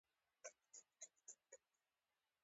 منډه د خلکو تر منځ سیالي پیدا کوي